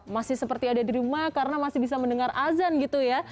masih seperti ada di rumah karena masih bisa mendengar azan gitu ya